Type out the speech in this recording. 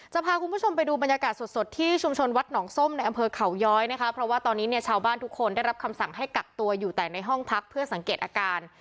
พาคุณผู้ชมไปดูบรรยากาศสดที่ชุมชนวัดหนองส้มในอำเภอเขาย้อยนะคะเพราะว่าตอนนี้เนี่ยชาวบ้านทุกคนได้รับคำสั่งให้กักตัวอยู่แต่ในห้องพักเพื่อสังเกตอาการ